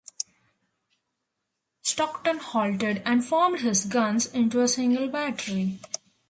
Stockton halted and formed his guns into a single battery.